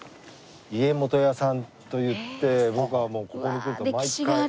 家元屋さんといって僕はもうここに来ると毎回。